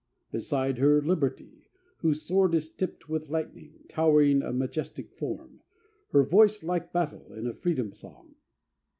Beside her Liberty, whose sword is tipped With lightning, towering a majestic form, Her voice like battle in a freedom song.